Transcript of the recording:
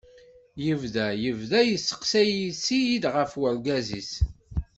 Yebda yebda yesteqsay-itt-id ɣef urgaz-is.